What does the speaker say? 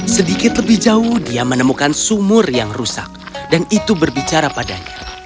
sedikit lebih jauh dia menemukan sumur yang rusak dan itu berbicara padanya